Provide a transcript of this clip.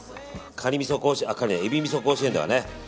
カニじゃないエビみそ甲子園ではね